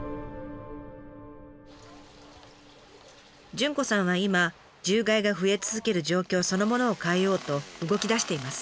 潤子さんは今獣害が増え続ける状況そのものを変えようと動きだしています。